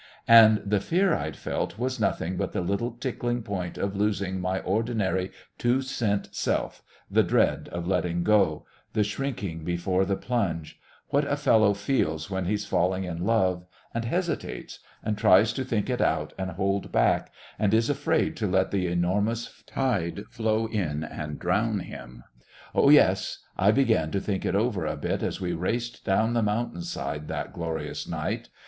And the fear I'd felt was nothing but the little tickling point of losing my ordinary two cent self, the dread of letting go, the shrinking before the plunge what a fellow feels when he's falling in love, and hesitates, and tries to think it out and hold back, and is afraid to let the enormous tide flow in and drown him. Oh, yes, I began to think it over a bit as we raced down the mountain side that glorious night.